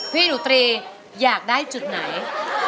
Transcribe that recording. พี่หนูตรีอยากได้จุดไหน